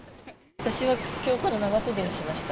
私はきょうから長袖にしました。